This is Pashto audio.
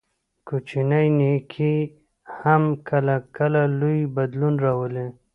کوچنی نیکي هم کله کله لوی بدلون راولي.